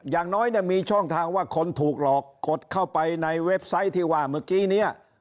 อย่างน้อยเนี่ยมีช่องทางว่าคนถูกหลอกกดเข้าไปในเว็บไซต์ที่ว่าเมื่อกี้เนี่ย